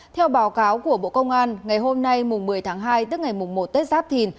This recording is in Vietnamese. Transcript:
theo báo cáo của bộ công an ngày hôm nay một mươi tháng hai tức ngày một tết giáp thìn